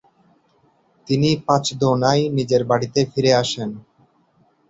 তিনি পাঁচদোনায় নিজের বাড়িতে ফিরে আসেন।